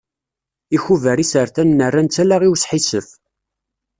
Ikubar isertanen rran-tt ala i usḥissef.